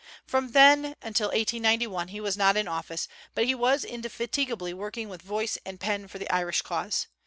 From then until 1891 he was not in office, but he was indefatigably working with voice and pen for the Irish cause.